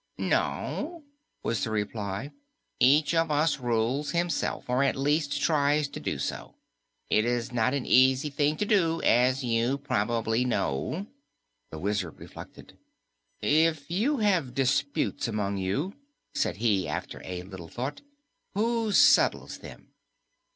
"No," was the reply, "each of us rules himself, or at least tries to do so. It is not an easy thing to do, as you probably know." The Wizard reflected. "If you have disputes among you," said he after a little thought, "who settles them?"